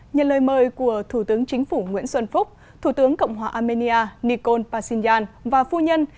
nhân lời mời của thủ tướng chính phủ nguyễn xuân phúc thủ tướng cộng hòa armenia nikol pashinyan và phu nhân